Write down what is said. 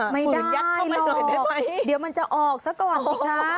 ไม่ได้หรอกเดี๋ยวมันจะออกสักก่อนสิค่ะ